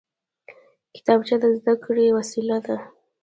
کتابچه د زده کړې وسیله ده